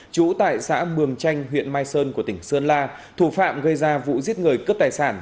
trú tại xã mường chanh huyện mai sơn của tỉnh sơn la thủ phạm gây ra vụ giết người cướp tài sản